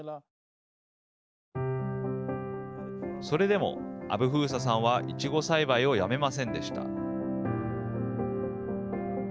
それでも、アブフーサさんはイチゴ栽培をやめませんでした。